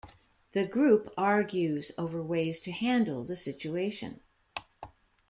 The group argues over ways to handle the situation.